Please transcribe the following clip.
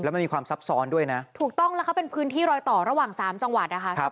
มันมีความซับซ้อนด้วยนะถูกต้องแล้วเขาเป็นพื้นที่รอยต่อระหว่างสามจังหวัดนะคะ